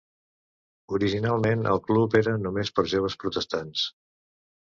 Originalment el club era només per joves protestants.